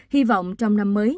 hy vọng trong năm mới